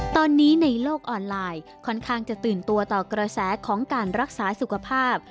ตอนนี้ในโลกออนไลน์ค่อนข้างจะตื่นตัวต่อกระแสของการรักษาสุขภาพ